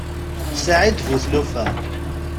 Saεid bu tlufa.